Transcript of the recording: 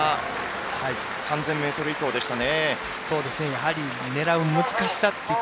３０００ｍ以降でしたね。